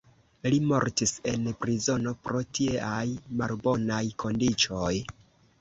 Li mortis en prizono pro tieaj malbonaj kondiĉoj.